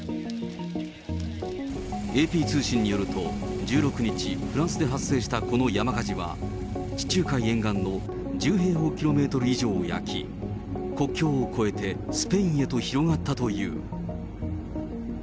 ＡＰ通信によると、１６日、フランスで発生したこの山火事は、地中海沿岸の１０平方キロメートル以上を焼き、国境を越えてスペインへと広がったという。